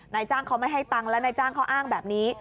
นายจ้างเขาไม่ให้ตังค์แล้วนายจ้างเขาอ้างแบบนี้